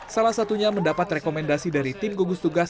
salah satunya mendapat rekomendasi dari tim gugus tugas